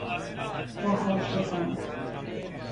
رها شدن